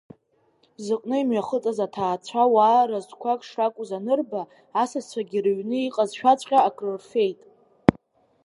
Зыҟны имҩахыҵыз аҭаацәа уаа разқәак шракәыз анырба, асасцәагьы рыҩны иҟазшәаҵәҟьа акрырфеит.